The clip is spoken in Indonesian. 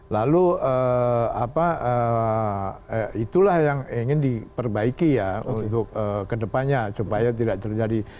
lalu apa itulah yang ingin diperbaiki ya untuk kedepannya supaya tidak terjadi